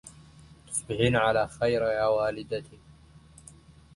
تصبحين على خير يا والدتي